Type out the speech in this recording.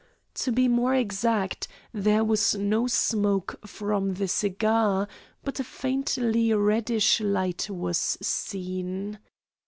To be more exact, there was no smoke from the cigar, but a faintly reddish light was seen.